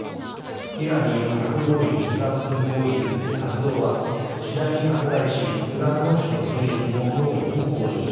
イランによる核合意に逸脱する活動は次第に拡大しウラン濃縮の水準も能力も向上しています。